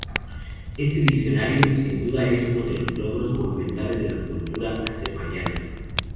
Este diccionario, sin duda, es uno de los logros monumentales de la cultura azerbaiyana.